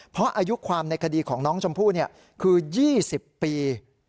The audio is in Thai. เพราะอายุความในคดีของน้องชมพู่คือ๒๐ปี